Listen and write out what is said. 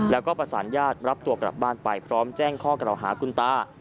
แล้วก็ประสานญาติรับตัวกลับบ้านไปพร้อมแจ้งข้อกล่าวหาคุณตา